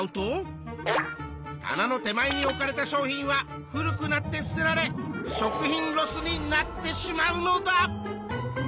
棚の手前に置かれた商品は古くなって捨てられ食品ロスになってしまうのだ！